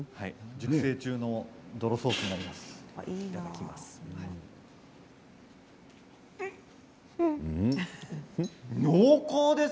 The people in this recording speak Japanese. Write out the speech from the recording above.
熟成中のどろソースになります。